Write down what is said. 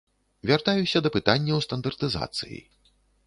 Вяртаюся да пытанняў стандартызацыі.